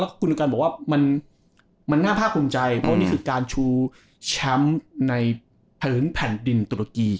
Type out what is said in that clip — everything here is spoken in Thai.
และกรูมากใจครับเพราะนี่คือคือการชูชัมป์ในถึงแผ่นดินตุ๊กอีด